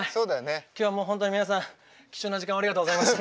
今日はもう本当に皆さん貴重な時間をありがとうございました。